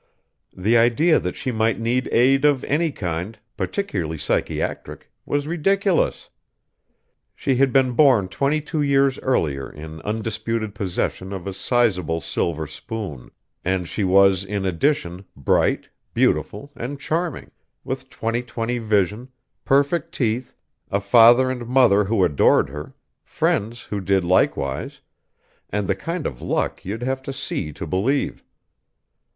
The idea that she might need aid of any kind, particularly psychiatric, was ridiculous. She had been born twenty two years earlier in undisputed possession of a sizable silver spoon and she was, in addition, bright, beautiful, and charming, with 20/20 vision, perfect teeth, a father and mother who adored her, friends who did likewise ... and the kind of luck you'd have to see to believe.